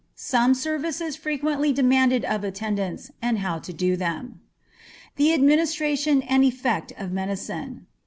SOME SERVICES FREQUENTLY DEMANDED OF ATTENDANTS, AND HOW TO DO THEM. _The Administration and Effect of Medicine.